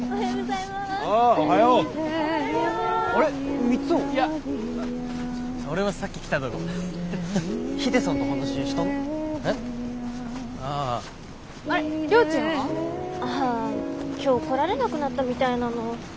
りょーちんは？ああ今日来られなくなったみたいなの。